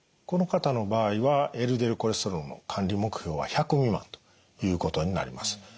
この方の場合はＬＤＬコレステロールの管理目標は１００未満ということになります。